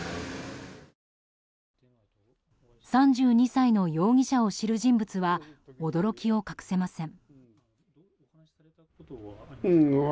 ３２歳の容疑者を知る人物は驚きを隠せません。